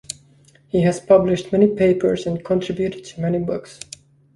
He has published many papers and contributed to many books.